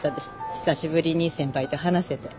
久しぶりに先輩と話せて。